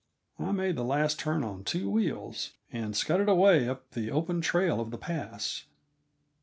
I made the last turn on two wheels, and scudded away up the open trail of the pass.